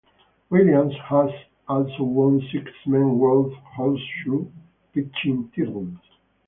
Williams has also won six Men's World Horseshoe Pitching titles.